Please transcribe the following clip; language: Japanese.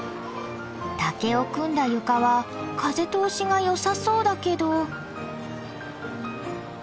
竹を組んだ床は風通しがよさそうだけど。